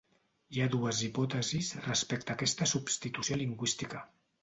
Hi ha dues hipòtesis respecte a aquesta substitució lingüística.